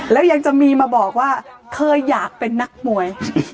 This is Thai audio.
แล้วยังจะมีมาบอกว่าเคยอยากเป็นนักมวย